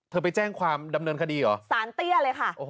ไปแจ้งความดำเนินคดีเหรอสารเตี้ยเลยค่ะ